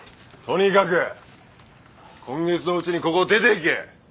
とにかく今月のうちにここを出ていけ。